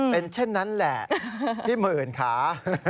เป็นเช่นนั้นแหละพี่หมื่นค่ะ